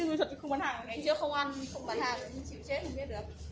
ngày trước không ăn không bán hàng chị chết không biết được